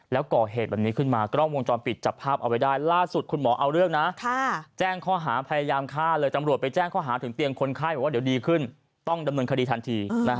แล้วก่อเหตุแบบนี้ขึ้นมากล้อมวงจรปิดจับภาพเอาไว้ได้